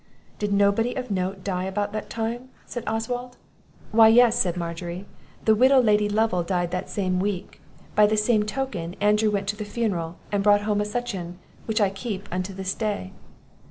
"Did nobody of note die about that time?" said Oswald. "Why yes," said Margery, "the widow Lady Lovel died that same week; by the same token, Andrew went to the funeral, and brought home a scutcheon, which I keep unto this day."